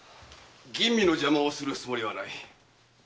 吟味の邪魔をするつもりはない。